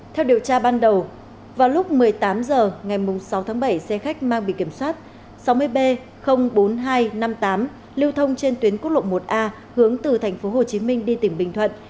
theo điều tra ban đầu vào lúc một mươi tám h ngày sáu tháng bảy xe khách mang bị kiểm soát sáu mươi b bốn nghìn hai trăm năm mươi tám lưu thông trên tuyến quốc lộ một a hướng từ tp hcm đi tỉnh bình thuận